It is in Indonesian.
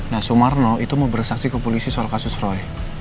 nah sumarno itu mau bersaksi ke polisi soal kasus roy